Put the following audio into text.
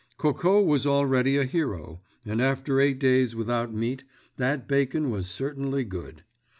Coco was already a hero—and, after eight days without meat, that bacon was certainly good!